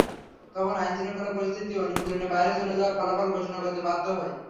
তখন আইনশৃঙ্খলা পরিস্থিতিও নিয়ন্ত্রণের বাইরে চলে যাওয়ায় ফলাফল ঘোষণা করতে বাধ্য হই।